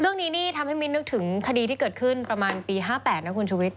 เรื่องนี้นี่ทำให้มิ้นนึกถึงคดีที่เกิดขึ้นประมาณปี๕๘นะคุณชุวิต